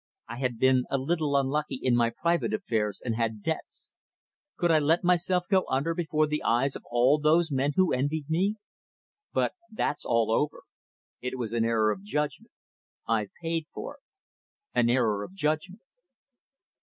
I had been a little unlucky in my private affairs, and had debts. Could I let myself go under before the eyes of all those men who envied me? But that's all over. It was an error of judgment. I've paid for it. An error of judgment."